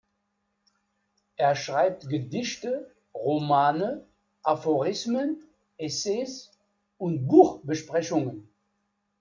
Er schreibt Gedichte, Romane, Aphorismen, Essays und Buchbesprechungen.